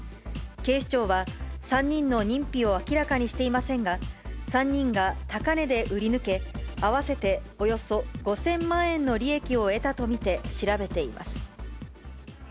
警視庁は、３人の認否を明らかにしていませんが、３人が高値で売り抜け、合わせておよそ５０００万円の利益を得たと見て調べています。